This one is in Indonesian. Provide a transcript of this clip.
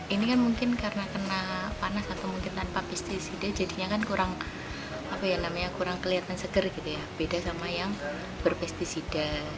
ini kan mungkin karena kena panas atau mungkin tanpa pesticida jadinya kan kurang kelihatan seger gitu ya beda sama yang berpesticida